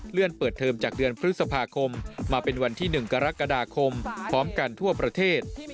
เปิดเทอมจากเดือนพฤษภาคมมาเป็นวันที่๑กรกฎาคมพร้อมกันทั่วประเทศ